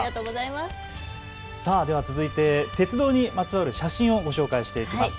では続いて鉄道にまつわる写真をご紹介していきます。